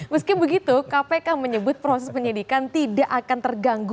meski begitu kpk menyebut proses penyidikan tidak akan terganggu